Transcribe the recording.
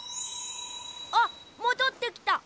あっもどってきた。